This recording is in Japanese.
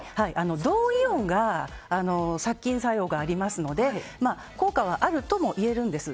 銅イオンが殺菌作用がありますので効果はあるともいえるんです。